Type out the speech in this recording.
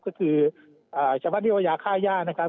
ก็คือชาวบ้านที่โยยาค่าย่านะครับ